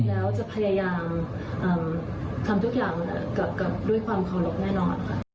แล้วจะพยายามทำทุกอย่างกับด้วยความเคารพแน่นอนค่ะ